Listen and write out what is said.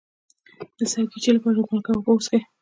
د سرګیچي لپاره مالګه او اوبه وڅښئ